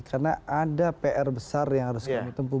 karena ada pr besar yang harus kami tempuh